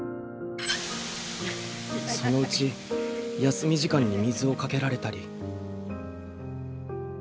そのうち休み時間に水をかけられたり。